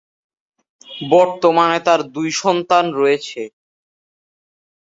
বর্তমানে তার দুই সন্তান রয়েছে।